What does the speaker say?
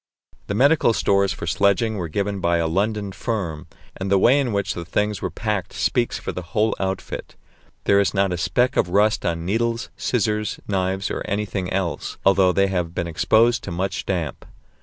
The medical stores for sledging were given by a London firm, and the way in which the things were packed speaks for the whole outfit. There is not a speck of rust on needles, scissors, knives, or anything else, although they have been exposed to much damp.